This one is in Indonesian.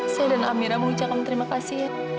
saya dan amira mau ucapkan terima kasih ya